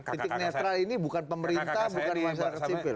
titik netral ini bukan pemerintah bukan masyarakat sipil